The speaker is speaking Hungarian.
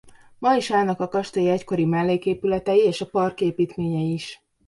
Ma is állnak a kastély egykori melléképületei és a park építményei is.